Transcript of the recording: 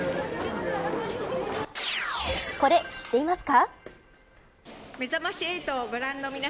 これ知っていますか。